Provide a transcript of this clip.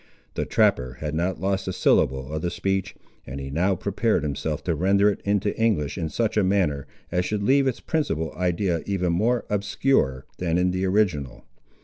The trapper had not lost a syllable of the speech, and he now prepared himself to render it into English in such a manner as should leave its principal idea even more obscure than in the original.